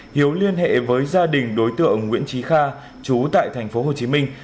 hiếu liên hệ với gia đình đối tượng nguyễn trí kha chú tại thành phố hồ chí minh